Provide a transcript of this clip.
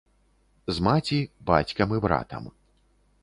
З маці, бацькам і братам.